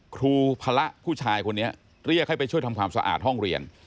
ครูพระผู้ชายคนนี้เรียกให้ไปช่วยทำความสะอาดห้องเรียน